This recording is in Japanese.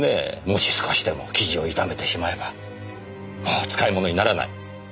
もし少しでも生地を傷めてしまえばもう使い物にならない。